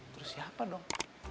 terus siapa dong